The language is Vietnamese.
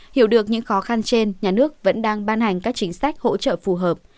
hiểu được những khó khăn trên nhà nước vẫn đang ban hành các chính sách hỗ trợ phù hợp